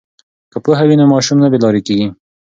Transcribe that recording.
که پوهه وي نو ماشوم نه بې لارې کیږي.